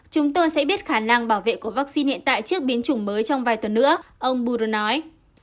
chúng tôi sẽ biết khả năng bảo vệ của vaccine hiện tại trước biến chủng mới trong vài tuần nữa ông budro nói